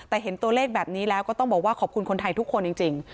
แต่เห็นตัวเลขแบบนี้แล้วก็ต้องบอกว่าขอบคุณคนไทยทุกคนจริง